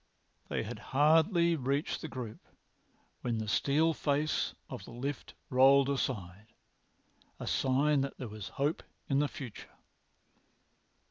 They had hardly reached the group when the steel[Pg 242] face of the lift rolled aside—a sign that there was hope in the future.